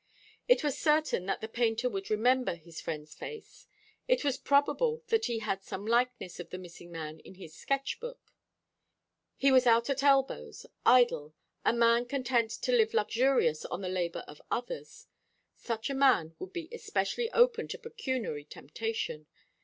It was certain that the painter would remember his friend's face; it was probable that he had some likeness of the missing man in his sketch book. He was out at elbows, idle, a man content to live luxuriously on the labour of others. Such a man would be especially open to pecuniary temptation.